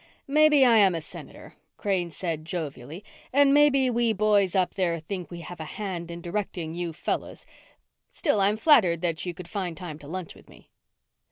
"Maybe I am a Senator," Crane said jovially, "and maybe we boys up there think we have a hand in directing you fellows still I'm flattered that you could find time to lunch with me."